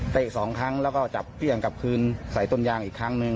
สองครั้งแล้วก็จับเปรี้ยงกลับคืนใส่ต้นยางอีกครั้งหนึ่ง